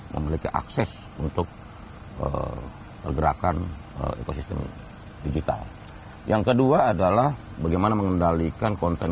memiliki akses untuk pergerakan ekosistem digital yang kedua adalah bagaimana mengendalikan konten